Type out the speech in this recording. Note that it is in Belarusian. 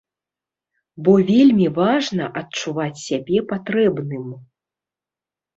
Бо вельмі важна адчуваць сябе патрэбным.